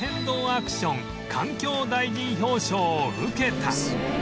アクション環境大臣表彰を受けた